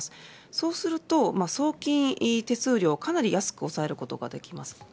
そうすると、送金手数料をかなり安く抑えることができます。